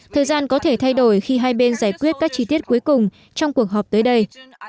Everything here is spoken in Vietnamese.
thời gian có thể thay đổi khi hai bên giải quyết các chi tiết cuối cùng trong cuộc họp tới đây